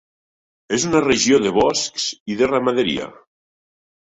És una regió de boscs i de ramaderia.